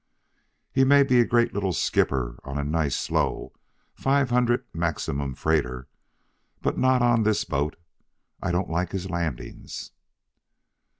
He may be a great little skipper on a nice, slow, five hundred maximum freighter, but not on this boat. I don't like his landings."